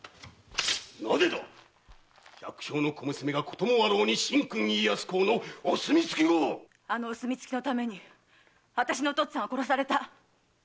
なぜだ⁉百姓の小娘がこともあろうに神君・家康公のお墨付きを⁉あのお墨付きのために私のお父っつぁんは殺された！